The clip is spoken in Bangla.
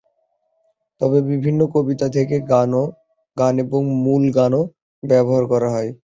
তবে বিভিন্ন কবিতা থেকে গান এবং মূল গানও ব্যবহার করা হয়।